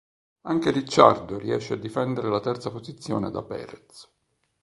Anche Ricciardo riesce a difendere la terza posizione da Pérez.